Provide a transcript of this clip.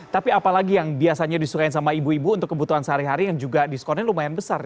tapi apalagi yang biasanya disukain sama ibu ibu untuk kebutuhan sehari hari yang juga diskonnya lumayan besar